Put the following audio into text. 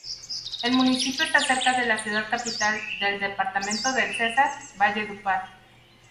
El municipio está cerca de la ciudad capital del departamento del Cesar, Valledupar.